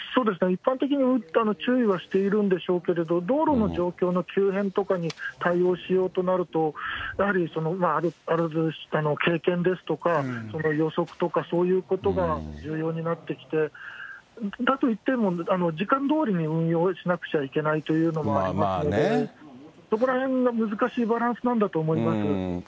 一般的に注意はしているんでしょうけれども、道路の状況の急変とかに対応しようとなると、やはりある程度の経験ですとか、その予測とか、そういうことが重要になってきて、だといっても、時間どおりに運用しなくちゃいけないということがありまして、そこらへんが難しいバランスなんだと思います。